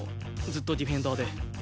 ずっとディフェンダーで。